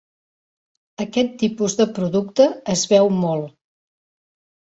Aquest tipus de producte es veu molt.